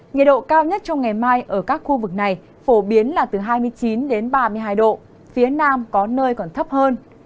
nhiệt độ cao nhất trong ngày mai ở các khu vực này phổ biến là từ hai mươi chín đến ba mươi hai độ phía nam có nơi còn thấp hơn